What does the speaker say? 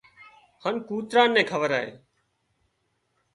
هانَ ڪوترا نين کوَرائي